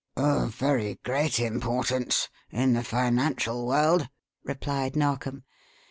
"Of very great importance in the financial world," replied Narkom.